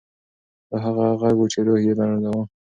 دا هغه غږ و چې روح یې لړزاوه.